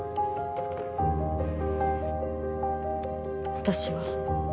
私は